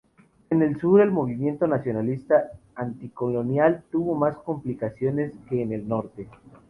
En el sur el movimiento nacionalista anticolonial tuvo más complicaciones que en el norte.